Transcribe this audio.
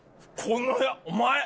このお前！